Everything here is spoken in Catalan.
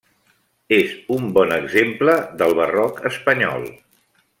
És un bon exemple del barroc espanyol.